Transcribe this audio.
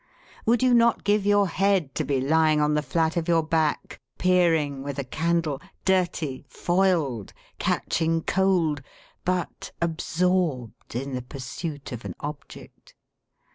Would you not give your head to be lying on the flat of your back, peering with a candle, dirty, foiled, catching cold but absorbed in the pursuit of an object?